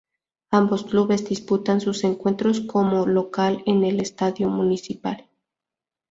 Ambos clubes disputan sus encuentros como local en el estadio municipal.